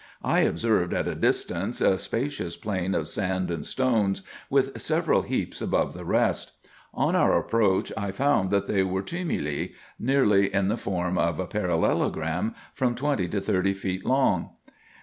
I observed at a distance a spacious plain of sand and stones, with several heaps above the rest. On our approach I found that they were tumuli, IN EGYPT, NUBIA, &c. 399 nearly in the form of a parallelogram, from twenty to thirty feet long.